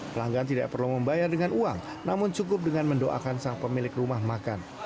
pelanggan tidak perlu membayar dengan uang namun cukup dengan mendoakan sang pemilik rumah makan